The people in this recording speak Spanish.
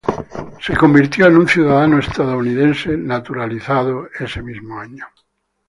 Se convirtió en un ciudadano estadounidense naturalizado ese mismo año.